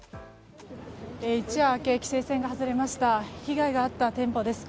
一夜明け規制線が外れました被害が遭った店舗です。